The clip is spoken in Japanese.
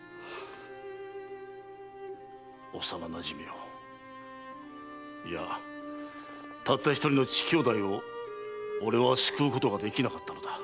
幼なじみをいやたった一人の乳兄弟を俺は救うことができなかったのだ。